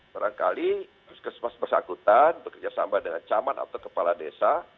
barangkali puskemas bersangkutan bekerja sama dengan camat atau kepala desa